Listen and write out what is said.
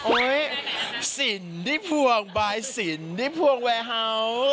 โอ๊ยสินที่พวงบายสินที่พวงแวร์ฮาว์